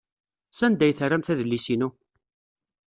Sanda ay terramt adlis-inu?